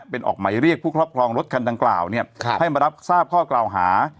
เป็นออกหมายเรียกผู้ครอบครองรถคันดังกล่าวให้มารับทราบข้อกล่าวหา